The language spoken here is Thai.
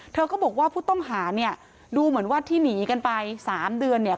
เธอก็บอกว่าผู้ต้องหาเนี่ยดูเหมือนว่าที่หนีกันไปสามเดือนเนี่ย